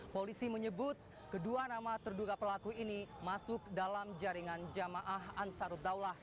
polisi menyebut kedua nama terduga pelaku ini masuk dalam jaringan jamaah ansaruddaulah